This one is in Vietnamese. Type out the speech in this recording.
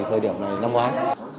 thời điểm này năm ngoái